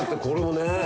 これもね。